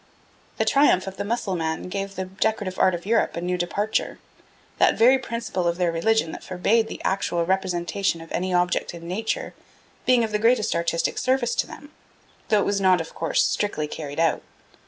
The triumph of the Mussulman gave the decorative art of Europe a new departure that very principle of their religion that forbade the actual representation of any object in nature being of the greatest artistic service to them, though it was not, of course, strictly carried out.